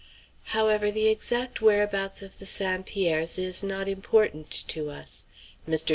However, the exact whereabouts of the St. Pierres is not important to us. Mr.